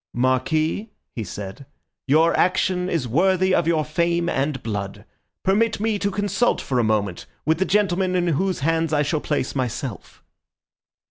"Marquis," he said, "your action is worthy of your fame and blood. Permit me to consult for a moment with the gentlemen in whose hands I shall place myself."